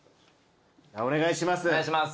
お願いします。